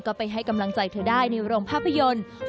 ก็ไปให้กำลังใจเธอได้ในโรงภาพยนตร์